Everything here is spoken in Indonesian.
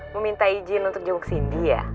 mau minta izin untuk jenguk sindi ya